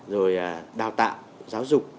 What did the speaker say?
rồi đào tạng giáo dục